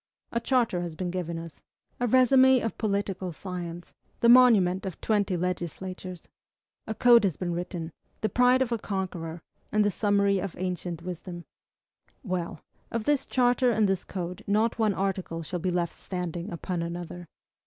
A charter has been given to us, a resume of political science, the monument of twenty legislatures. A code has been written, the pride of a conqueror, and the summary of ancient wisdom. Well! of this charter and this code not one article shall be left standing upon another!